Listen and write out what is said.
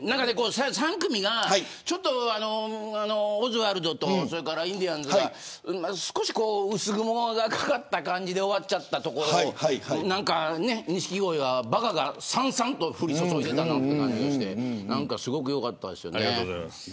３組が、ちょっとオズワルドとインディアンスが少し薄雲が懸かった感じで終わっちゃったところ錦鯉は、ばかがさんさんと降り注いでたなって感じがしてすごく良かったですよね。